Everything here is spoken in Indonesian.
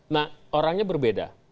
nah orangnya berbeda